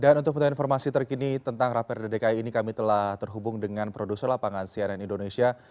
dan untuk penuh informasi terkini tentang rapat paripurna dki ini kami telah terhubung dengan produser lapangan cnn indonesia